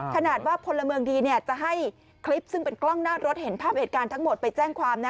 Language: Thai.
ขนาดว่าพลเมืองดีจะให้คลิปซึ่งเป็นกล้องหน้ารถเห็นภาพเหตุการณ์ทั้งหมดไปแจ้งความนะ